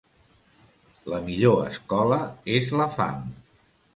La millor escola és la fam.